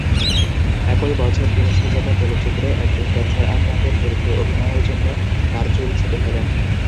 একই বছর তিনি "সুজাতা" চলচ্চিত্রে একজন ক্যান্সার আক্রান্তের চরিত্রে অভিনয়ের জন্য তার চুল ছেঁটে ফেলেন।